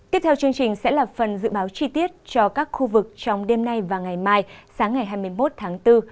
tiếp theo chương trình sẽ là phần dự báo chi tiết cho các khu vực trong đêm nay và ngày mai sáng ngày hai mươi một tháng bốn